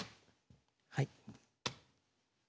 はい。